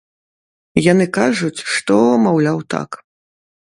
Яны кажуць, што, маўляў, так.